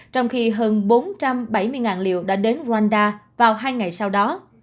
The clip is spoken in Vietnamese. trong khi hơn bốn trăm bảy mươi liều đã đến rwanda vào hai ngày sau đó